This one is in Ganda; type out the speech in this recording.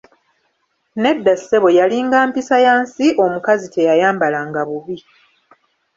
Nedda ssebo yalinga mpisa ya nsi omukazi teyayambalanga bubi.